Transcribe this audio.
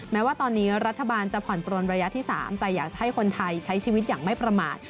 แม้ว่าตอนนี้รัฐบาลจะผ่อนปลนระยะที่๓แต่อยากจะให้คนไทยใช้ชีวิตอย่างไม่ประมาท